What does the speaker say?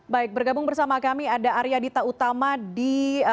baik bergabung bersama kami ada arya dita utama di